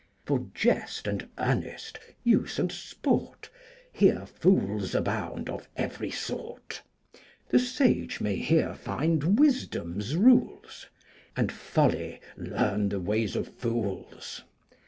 "For jest and earnest, use and sport, Here fools abound, of every sort. The sage may here find Wisdom's rules, And Folly learn the ways of fools.